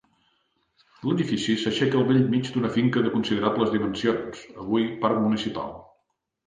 L'edifici s'aixeca al bell mig d'una finca de considerables dimensions, avui parc municipal.